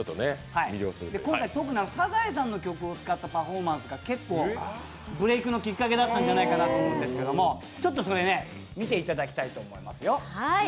今回特に「サザエさん」の曲を使ったパフォーマンスがブレークのきっかけだったんじゃないかなと思うんですけどちょっとそれを見ていただきたいと思いますよ。